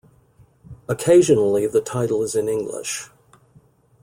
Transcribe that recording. Occasionally, the title is in English.